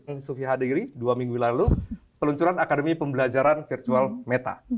yang sufi hadiri dua minggu lalu peluncuran akademi pembelajaran virtual meta